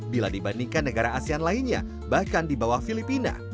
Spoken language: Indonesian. bila dibandingkan negara asean lainnya bahkan di bawah filipina